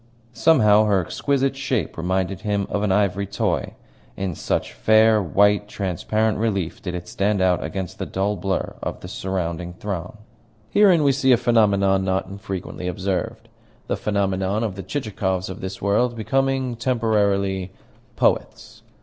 Somehow her exquisite shape reminded him of an ivory toy, in such fair, white, transparent relief did it stand out against the dull blur of the surrounding throng. Herein we see a phenomenon not infrequently observed the phenomenon of the Chichikovs of this world becoming temporarily poets.